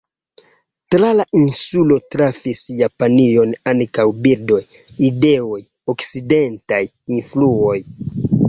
Tra la insulo trafis Japanion ankaŭ bildoj, ideoj, okcidentaj influoj.